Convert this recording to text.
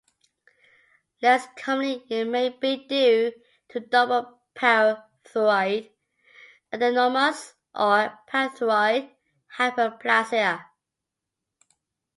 Less commonly it may be due to double parathyroid adenomas or parathyroid hyperplasia.